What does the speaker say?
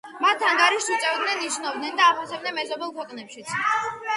მათ ანგარიშს უწევდნენ, იცნობდნენ და აფასებდნენ მეზობელ ქვეყნებშიც.